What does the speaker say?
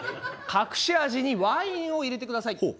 隠し味にワインを入れてください。